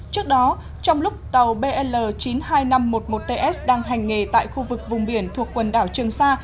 trước đó trong lúc tàu bl chín mươi hai nghìn năm trăm một mươi một ts đang hành nghề tại khu vực vùng biển thuộc quần đảo trường sa